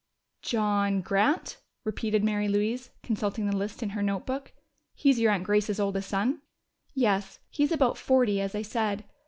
"John Grant," repeated Mary Louise, consulting the list in her notebook. "He's your aunt Grace's oldest son?" "Yes. He's about forty, as I said.